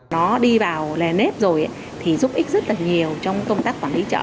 nó đi vào lè nếp rồi thì giúp ích rất nhiều trong công tác quản lý chợ